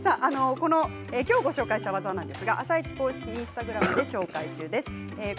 今日ご紹介した技は「あさイチ」公式インスタグラムで紹介中です。